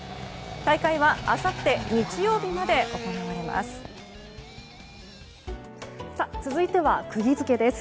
大会は、あさって日曜日まで行われます。